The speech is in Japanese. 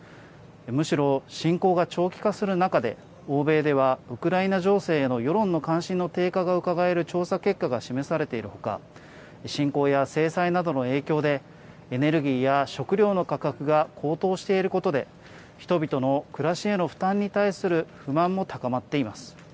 むしろ侵攻が長期化する中で、欧米ではウクライナ情勢への世論の関心の低下がうかがえる調査結果が示されているほか、侵攻や制裁などの影響で、エネルギーや食料の価格が高騰していることで、人々の暮らしへの負担に対する不満も高まっています。